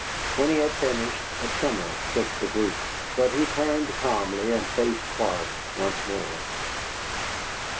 When he had finished a tremor shook the group. But he turned calmly and faced Clark once more.